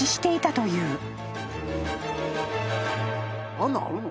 あんなんあるの！？